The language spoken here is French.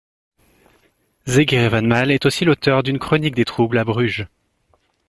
Zeghere van Male est aussi l'auteur d'une chronique des troubles à Bruges.